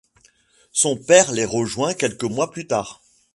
Son père les rejoint quelques mois plus tard.